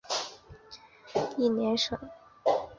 翌年省际联赛因战争临近而停顿。